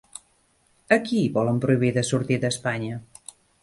A qui volen prohibir de sortir d'Espanya?